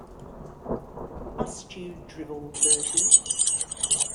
Must you drivel, Bertie?